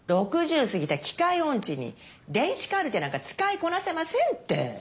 ６０過ぎた機械音痴に電子カルテなんか使いこなせませんって。